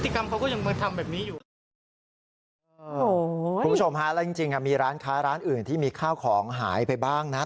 คุณผู้ชมหาแล้วจริงมีร้านค้าร้านอื่นที่มีข้าวของหายไปบ้างนะครับ